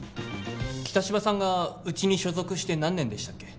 北芝さんがうちに所属して何年でしたっけ？